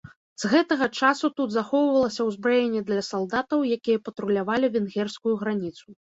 З гэтага часу тут захоўвалася ўзбраенне для салдатаў, якія патрулявалі венгерскую граніцу.